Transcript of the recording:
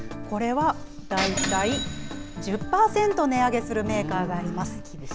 これは大体１０％値上げするメーカーがあります。